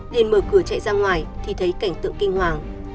nên mở cửa chạy ra ngoài thì thấy cảnh tượng kinh hoàng